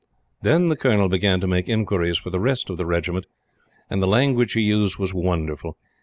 Then the Colonel began to make inquiries for the rest of the Regiment, and the language he used was wonderful.